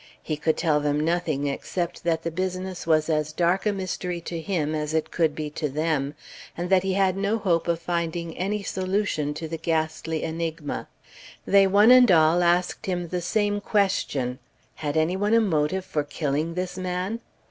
He could tell them nothing except that the business was as dark a mystery to him as it could be to them, and that he had no hope of finding any solution to the ghastly enigma. They one and all asked him the same question, "Had any one a motive for killing this man?"